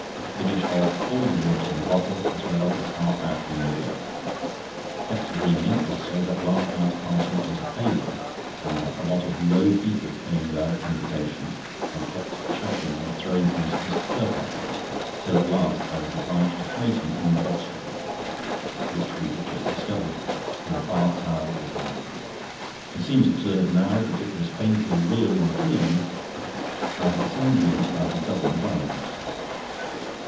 Finished off all the water in the bottle, as well as half that in the jug. Kept dreaming also, that last night's party was a failure, and that a lot of low people came without invitation, and kept chaffing and throwing things at Mr. Perkupp, till at last I was obliged to hide him in the box room (which we had just discovered), with a bath towel over him. It seems absurd now, but it was painfully real in the dream. I had the same dream about a dozen times.